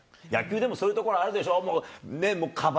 野球でもそういうところあるでしょう。